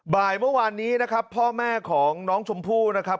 บ่ายเมื่อวานนี้นะครับพ่อแม่ของน้องชมพู่นะครับ